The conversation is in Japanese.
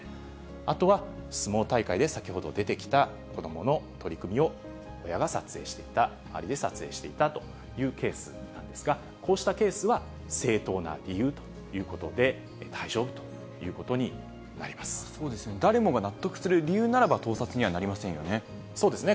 あとは相撲大会で先ほど出てきた子どもの取組を親が撮影していた、周りで撮影していたというケースなんですが、こうしたケースは正当な理由ということで、誰もが納得する理由ならば、そうですね。